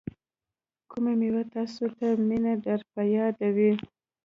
کومې میوې تاسې ته منی در په یادوي؟